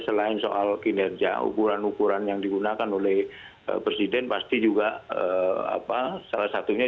selain soal kinerja ukuran ukuran yang digunakan oleh presiden pasti juga salah satunya